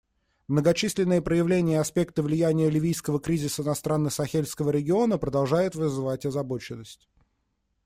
Многочисленные проявления и аспекты влияния ливийского кризиса на страны Сахельского региона продолжают вызывать озабоченность.